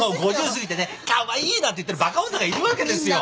５０過ぎてねカワイイなんて言ってるバカ女がいるわけですよ。